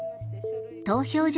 投票所